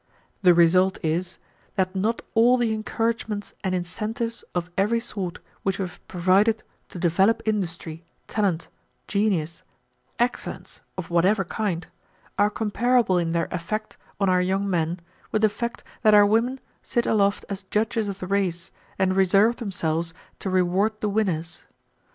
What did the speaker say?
The result is, that not all the encouragements and incentives of every sort which we have provided to develop industry, talent, genius, excellence of whatever kind, are comparable in their effect on our young men with the fact that our women sit aloft as judges of the race and reserve themselves to reward the winners.